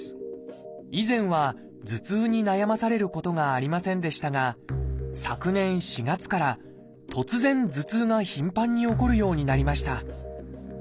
以前は頭痛に悩まされることがありませんでしたが昨年４月から突然頭痛が頻繁に起こるようになりました。